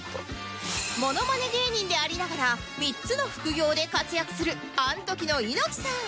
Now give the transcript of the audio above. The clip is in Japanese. モノマネ芸人でありながら３つの副業で活躍するアントキの猪木さん